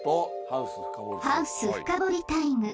ハウス深掘りタイム。